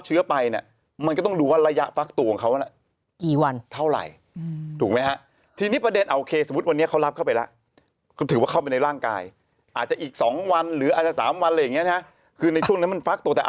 จามในรถน่ะคือในรถน่ะมันหมุนเวียนอยู่ในรถอยู่แล้วไงถูกไหมพี่